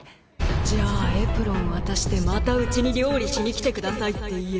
じゃあエプロン渡して「またうちに料理しに来てください」って言え。